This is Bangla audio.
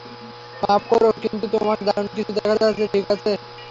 মাফ কোরো, কিন্তু তোমাকে দারুণ কিছু দেখাতে যাচ্ছি, ঠিক আছে?